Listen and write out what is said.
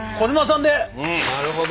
なるほど！